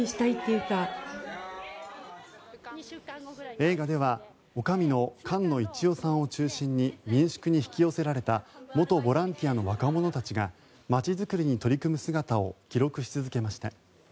映画ではおかみの菅野一代さんを中心に民宿に引き寄せられた元ボランティアの若者たちが街づくりに取り組む姿を記録し続けました。